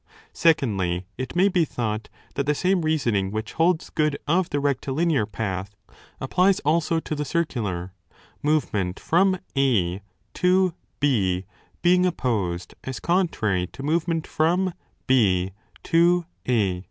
t Secondly, it may be thought that the same reasoning which holds good of the rectilinear path applies also to the circular, movement from A to B being opposed as contrary to movement from B to A.